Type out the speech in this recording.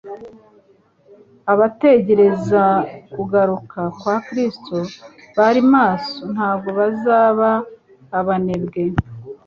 Abategereza kugaruka kwa Kristo bari maso ntabwo bazaba abanebwe.